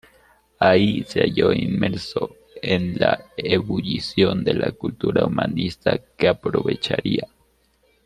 Ahí, se halló inmerso en la ebullición de la cultura humanista, que aprovecharía.